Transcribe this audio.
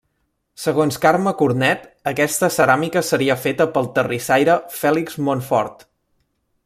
Segons Carme Cornet, aquesta ceràmica seria feta pel terrissaire Fèlix Montfort.